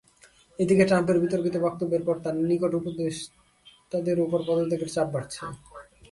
এদিকে ট্রাম্পের বিতর্কিত বক্তব্যের পর তাঁর নিকট উপদেষ্টাদের ওপর পদত্যাগের চাপ বাড়ছে।